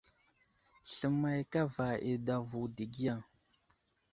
Sləmay kava i adavo dəgiya.